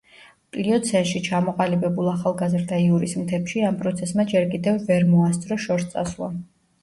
პლიოცენში ჩამოყალიბებულ ახალგაზრდა იურის მთებში ამ პროცესმა ჯერ კიდევ ვერ მოასწრო შორს წასვლა.